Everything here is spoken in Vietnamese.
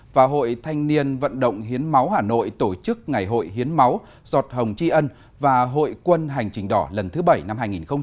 và hội thanh niên vận động hiến máu hà nội tổ chức ngày hội hiến máu giọt hồng tri ân và hội quân hành trình đỏ lần thứ bảy năm hai nghìn hai mươi